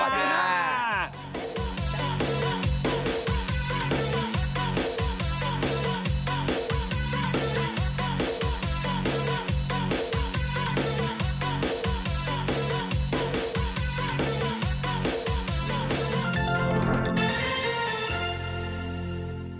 โปรดติดตามตอนต่อไป